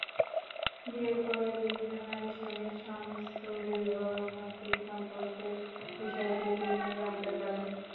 বিয়ের পরে বিভিন্ন নারীর সঙ্গে শামছুরের অনৈতিক সম্পর্কের বিষয়টি তিনি জানতে পারেন।